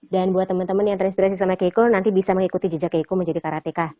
dan buat temen temen yang tertekan sama keiko nanti bisa mengikuti jejak keiko menjadi karateka